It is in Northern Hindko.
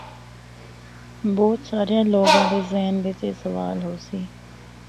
بہت ساریاں لوگاں دے ذہن بچ اے سوال ہوسی۔